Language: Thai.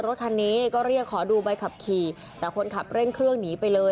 รถคันนี้ก็เรียกขอดูใบขับขี่แต่คนขับเร่งเครื่องหนีไปเลย